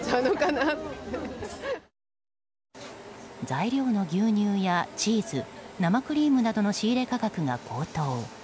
材料の牛乳やチーズ生クリームなどの仕入れ価格が高騰。